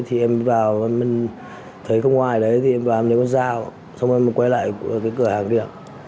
thì em vào thấy có ngoài đấy thì em vào em nhớ con dao xong rồi em quay lại cái cửa hàng kia